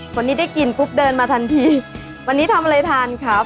วันนี้ได้กินปุ๊บเดินมาทันทีวันนี้ทำอะไรทานครับ